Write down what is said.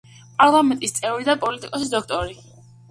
პარლამენტის წევრი და პოლიტოლოგიის დოქტორი.